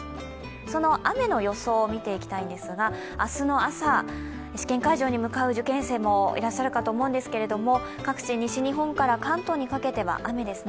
その雨の予想を見ていきたいんですが、明日の朝、試験会場に向かう受験生もいらっしゃるかと思うんですけど、各地、西日本から関東にかけては雨ですね。